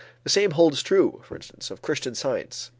The same holds true, for instance, of Christian Science.